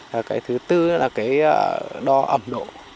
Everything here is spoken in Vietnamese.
và cái thứ bốn là cái đo ẩm độ